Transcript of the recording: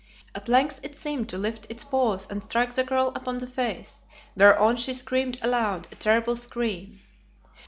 At length it seemed to lift its paws and strike the girl upon the face, whereon she screamed aloud, a terrible scream.